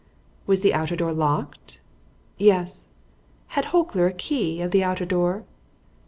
"Was the outer door locked?" "Yes." "Had Holker a key of the outer door?"